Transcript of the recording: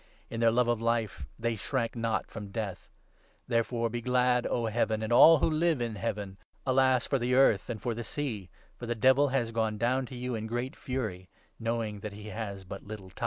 In their love of life they shrank not from death. Therefore, be glad, O 12 Heaven, and all who live in Heaven ! Alas for the earth and for the sea, for the Devil has gone down to you in great fury, knowing that he has but little time.'